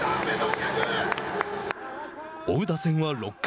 追う打線は６回。